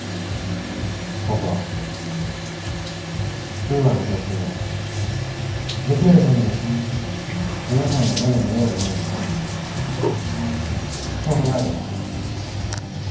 僕はウーアの行政をできうる限りを皆さんの目に見えるものにしたいとそう考えています。